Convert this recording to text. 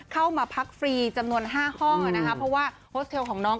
เข้ามาพักฟรีจำนวน๕ห้องเพราะว่าโฮสเทลของน้อง